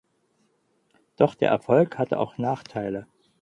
Doch der Erfolg hatte auch Nachteile.